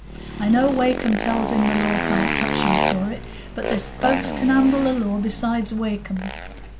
I know Wakem tells him the law can't touch him for it, but there's folks can handle the law besides Wakem.